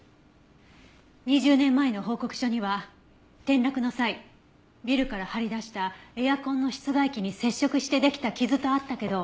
２０年前の報告書には転落の際ビルから張り出したエアコンの室外機に接触してできた傷とあったけど。